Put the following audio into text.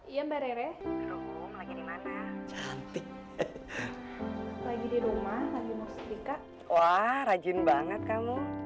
iya mbak rere berhubung lagi dimana cantik lagi di rumah lagi mau sepika wah rajin banget kamu